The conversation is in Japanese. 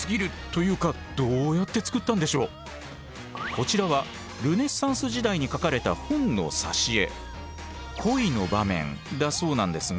こちらはルネサンス時代に描かれた本の挿絵。